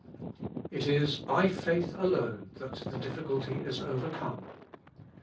It is by faith alone that the difficulty is overcome.